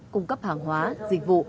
cung cấp hàng hóa dịch vụ